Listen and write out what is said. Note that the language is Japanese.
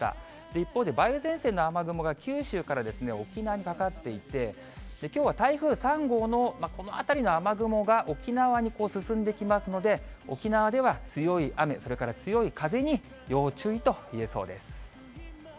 一方で、梅雨前線の雨雲が九州から沖縄にかかっていて、きょうは台風３号のこの辺りの雨雲が、沖縄にこう進んできますので、沖縄では強い雨、それから強い風に要注意といえそうです。